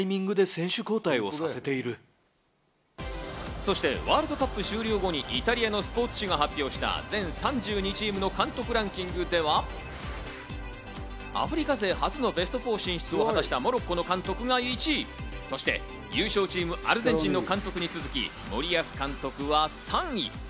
そしてワールドカップ終了後にイタリアのスポーツ紙が発表した全３２チームの監督ランキングでは、アフリカ勢初のベスト４進出を果たしたモロッコの監督が１位、そして優勝チーム・アルゼンチンの監督に続き、森保監督は３位。